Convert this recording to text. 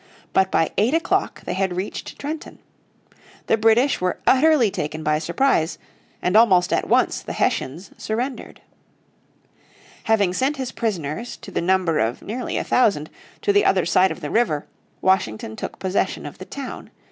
But by eight o'clock they had reached Trenton. The British were utterly taken by surprise, and almost at once the Hessians surrendered. Having sent his prisoners, to the number of nearly a thousand, to the other side of the river, Washington took possession of the town.